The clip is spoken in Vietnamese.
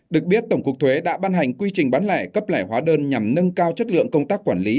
được biết tổng cục thuế đã ban hành quy trình bán lẻ cấp lẻ hóa đơn nhằm nâng cao chất lượng công tác quản lý